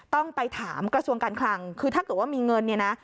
ต้องไปถามกระทรวงการคลังคือถ้าเกิดว่ามีเงินเนี่ยนะ